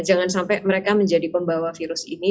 jangan sampai mereka menjadi pembawa virus ini